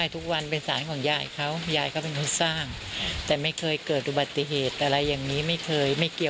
ทุกวันเป็นสารออยี้